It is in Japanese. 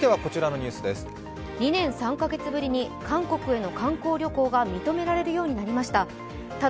２年３カ月ぶりに韓国への観光旅行が認められるようになりました。